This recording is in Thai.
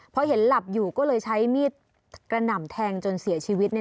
พอเห็นหลับอยู่ก็เลยใช้มีดกระหน่ำแทงจนเสียชีวิต